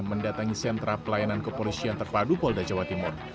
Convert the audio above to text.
mendatangi sentra pelayanan kepolisian terpadu polda jawa timur